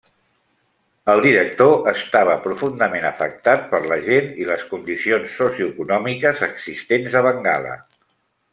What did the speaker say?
El director estava profundament afectat per la gent i les condicionis socioeconòmiques existents a Bengala.